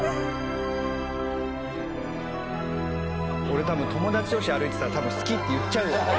俺多分友達同士で歩いてたら「好き」って言っちゃうわ。